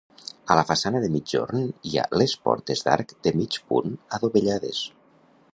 A la façana de migjorn hi ha les portes d'arc de mig punt adovellades.